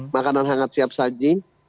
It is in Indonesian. makanan hangat siap saji